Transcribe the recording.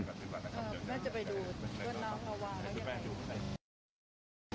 เพราะคุณอยู่ในสีตะดินวันที่อีกอังกฤษที